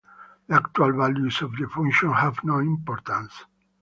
The actual values of the function have no importance.